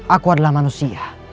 aku adalah manusia